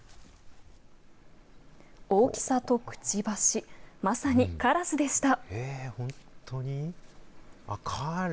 大きさとくちばし、まさにカラスでした。